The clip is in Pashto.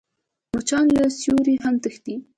مچان له سیوري هم تښتي